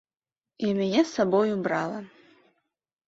І мяне з сабою брала.